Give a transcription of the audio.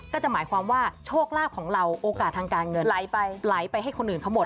ก็จะหมายความว่าโชคลาภของเราโอกาสทางการเงินไหลไปไหลไปให้คนอื่นเขาหมด